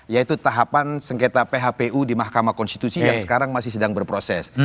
yaitu tahapan sengketa phpu di mahkamah konstitusi yang sekarang masih sedang berproses